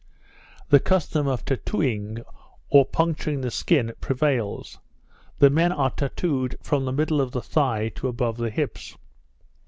The custom of tattowing or puncturing the skin prevails. The men are tattowed from the middle of the thigh to above the hips.